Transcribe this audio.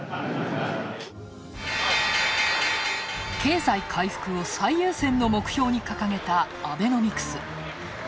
経済回復を最優先の目標に掲げたアベノミクス。